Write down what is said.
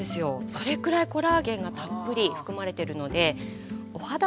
それくらいコラーゲンがたっぷり含まれてるのでお肌にもよさそうですよね。